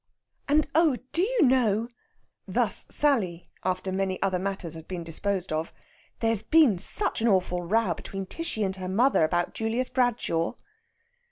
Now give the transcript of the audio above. "And oh, do you know" thus Sally, after many other matters had been disposed of "there has been such an awful row between Tishy and her mother about Julius Bradshaw?"